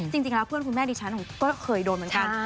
จริงแล้วเพื่อนคุณแม่ดิฉันก็เคยโดนเหมือนกัน